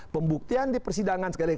pembuktian di persidangan sekali